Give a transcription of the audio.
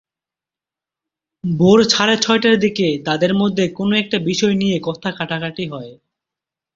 ভোর সাড়ে ছয়টার দিকে তাঁদের মধ্যে কোনো একটা বিষয় নিয়ে কথা-কাটাকাটি হয়।